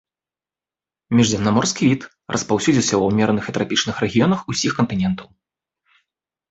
Міжземнаморскі від, распаўсюдзіўся ва ўмераных і трапічных рэгіёнах ўсіх кантынентаў.